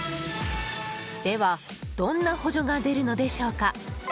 では、どんな補助が出るのでしょうか。